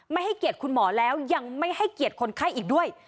ไม่ให้เกียรติคุณหมอแล้วยังไม่ให้เกียรติคนไข้อีกด้วย